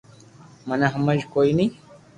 مني ھمج ڪوئي ّئي